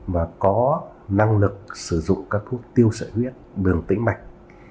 và có năng lực sử dụng các thuốc tiêu sợi huyết bường tĩnh mạch